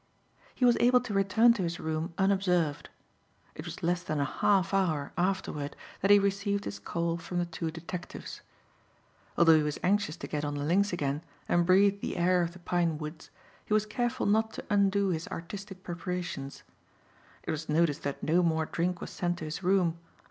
He was able to return to his room unobserved. It was less than a half hour afterward that he received his call from the two detectives. Although he was anxious to get on the links again and breathe the air of the pine woods, he was careful not to undo his artistic preparations. It was noticed that no more drink was sent to his room.